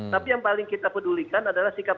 tapi yang paling kita pedulikan adalah sikap